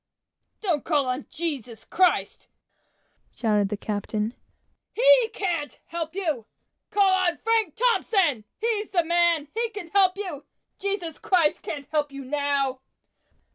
"Don't call on Jesus Christ," shouted the captain; "he can't help you. Call on Captain T , he's the man! He can help you! Jesus Christ can't help you now!"